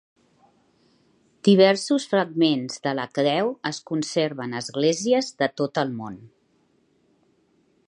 Diversos fragments de la Creu es conserven a esglésies de tot el món.